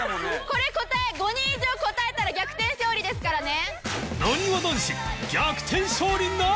これ５人以上答えたら逆転勝利ですからね。